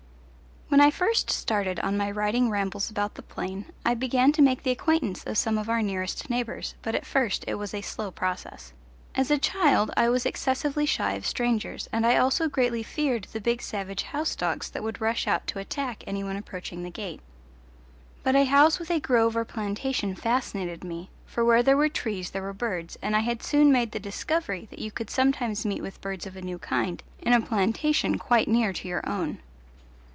When I first started on my riding rambles about the plain I began to make the acquaintance of some of our nearest neighbours, but at first it was a slow process. As a child I was excessively shy of strangers, and I also greatly feared the big savage house dogs that would rush out to attack any one approaching the gate. But a house with a grove or plantation fascinated me, for where there were trees there were birds, and I had soon made the discovery that you could sometimes meet with birds of a new kind in a plantation quite near to your own.